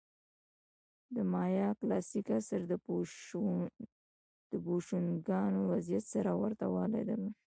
د مایا کلاسیک عصر د بوشونګانو وضعیت سره ورته والی درلود